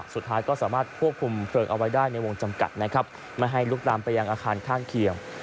สุดท้ายก็สามารถควบคุมเพลิงเอาไว้ได้ในวงจำกัดนะครับไม่ให้ลุกลามไปยังอาคารข้างเคียง